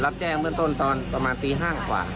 รับแจ้งเหมือนต้นตอนปี๕กว่า